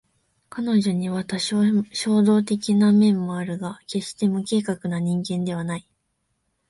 彼女には多少衝動的な面もあるが決して無計画な人間ではない